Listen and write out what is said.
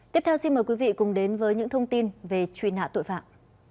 tiếp theo xin mời quý vị cùng đến với những thông tin về truy nã tội phạm